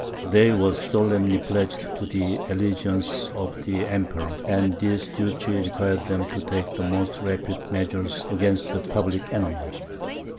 They were solemnly pledged to the allegiance of the Emperor, and this duty required them to take the most rapid measures against the public enemy.